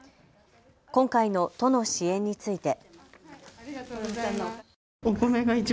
今回の都の支援について。